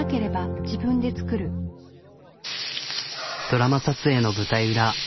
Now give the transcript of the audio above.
ドラマ撮影の舞台裏。